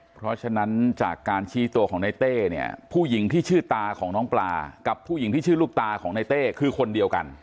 เพราะฉะนั้นจากการชี้ตัวของในเต้เนี่ยผู้หญิงที่ชื่อตาของน้องปลากับผู้หญิงที่ชื่อลูกตาของในเต้คือคนเดียวกัน